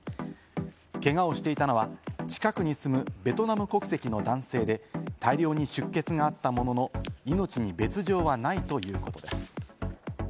けがをしていたのは、近くに住むベトナム国籍の男性で、大量に出血があったものの、命に別条はないということです。